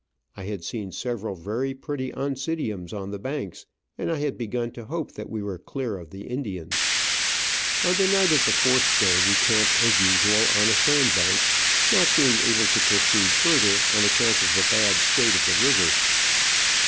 I had seen several very pretty Oncidiums on the banks, and I had begun to hope we were clear of the Indians. On the night of the fourth day, we camped as usual on a sand bank, not being able to Digitized by VjOOQ IC OF AN Orchid Hunter, 167 proceed further on account of the bad state of the river.